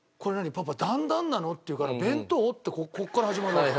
パパ段々なの？」って言うから「弁当？」ってここから始まるわけ。